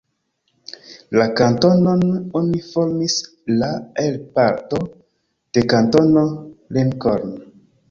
La kantonon oni formis la el parto de Kantono Lincoln.